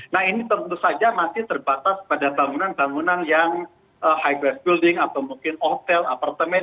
nah ini tentu saja masih terbatas pada bangunan bangunan yang high grash building atau mungkin hotel apartemen